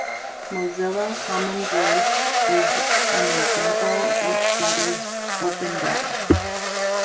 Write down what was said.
Mozilla Common Voice is an example which gathers open data.